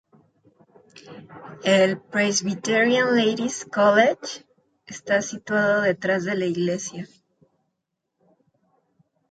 El Presbyterian Ladies' College está situado detrás de la iglesia.